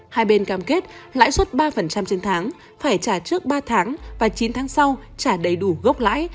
hai bên cam kết lãi suất ba trên tháng phải trả trước ba tháng và chín tháng sau trả đầy đủ gốc lãi